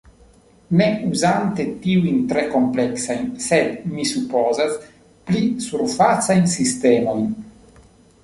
ne uzante tiujn tre kompleksajn, sed, mi supozas, pli surfacajn sistemojn.